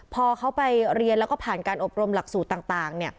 พอเขาไปเรียนแล้วก็ผ่านการอบรมหลักสูตรต่าง